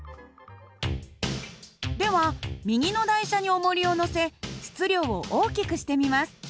では右の台車におもりを載せ質量を大きくしてみます。